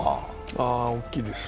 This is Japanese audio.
ああ、大きいです。